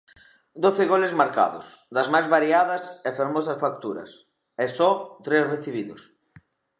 Doce goles marcados, das máis variadas e fermosas facturas, e só tres recibidos.